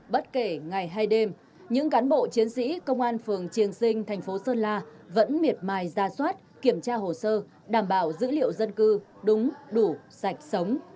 bất kể ngày hay đêm những cán bộ chiến sĩ công an phường triềng sinh thành phố sơn la vẫn miệt mài ra soát kiểm tra hồ sơ đảm bảo dữ liệu dân cư đúng đủ sạch sống